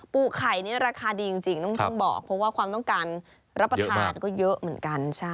ปูไข่นี่ราคาดีจริงต้องบอกเพราะว่าความต้องการรับประทานก็เยอะเหมือนกัน